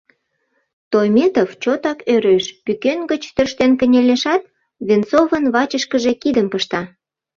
— Тойметов чотак ӧреш, пӱкен гыч тӧрштен кынелешат, Венцовын вачышкыже кидым пышта.